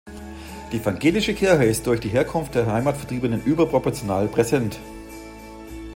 Die evangelische Kirche ist durch die Herkunft der Heimatvertriebenen überproportional präsent.